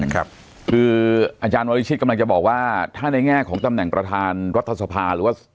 คืออาจารย์วรวิชิตกำลังจะบอกว่าถ้าในแง่ของตำแหน่งประธานรัฐสภาหรือว่า